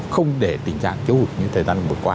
không để tình trạng thiếu hụt như thời gian vừa qua